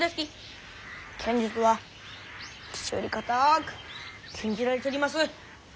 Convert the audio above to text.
剣術は父よりかたく禁じられちょります。